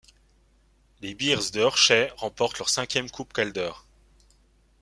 Les Bears de Hershey remportent leur cinquième coupe Calder.